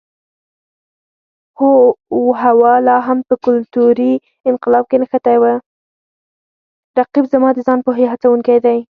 رقیب زما د ځان پوهې هڅوونکی دی